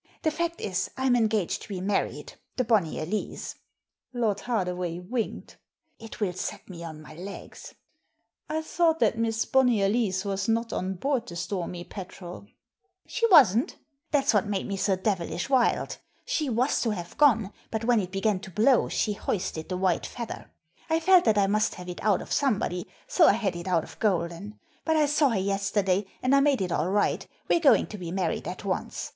The fact is, I'm engaged to be married — the Bonnyer Lees." Lord Hardaway winked. It will set me on my legs." "I thought that Miss Bonnyer Lees was not on board the Stormy Petrel'* "She wasn't That's what made me so devilish Digitized by VjOOQIC ROBBERY ON THE "STORMY PETREL" 261 wild. She was to have gone, but when it began to blow she hoisted the white feather. I felt that I must have it out of somebody, so I had it out of Golden. But I saw her yesterday, and I made it all right, we're going to be married at once.